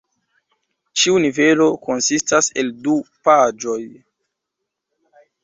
Ĉiu nivelo konsistas el du paĝoj.